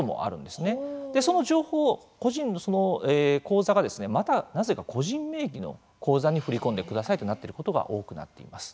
で、その情報、個人のその口座がまたなぜか個人名義の口座に振り込んでくださいとなっていることが多くなっています。